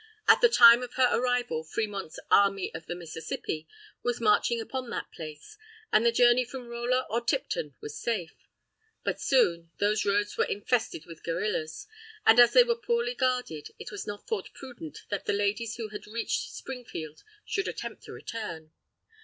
At the time of her arrival Fremont's "Army of the Mississippi" was marching upon that place, and the journey from Rolla or Tipton was safe. But soon, those roads were infested with guerrillas, and, as they were poorly guarded, it was not thought prudent that the ladies who had reached Springfield should attempt a return.